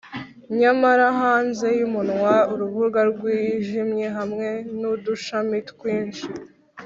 nyamara hanze yumunwa, urubuga rwijimye hamwe nudushami twinshi